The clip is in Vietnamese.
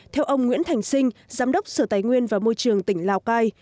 theo ông nguyễn thành sinh giám đốc sở tài nguyên và môi trường tỉnh lào cai